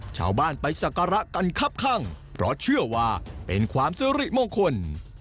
ชาวบ้านไปสักการะกันครับข้างเพราะเชื่อว่าเป็นความสิริมงคล